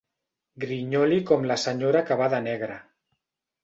Grinyoli com la senyora que va de negre.